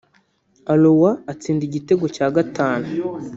Ulloa atsinda igitego cya gatanu